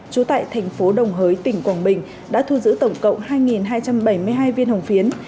trú tại thành phố đồng hới tỉnh quảng bình đã thu giữ tổng cộng hai hai trăm bảy mươi hai viên hồng phiến